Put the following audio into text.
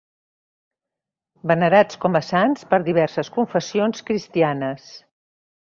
Venerats com a sants per diverses confessions cristianes.